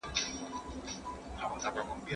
آیا د لویانو د زده کړې لپاره د شپې ښوونځي فعال دي؟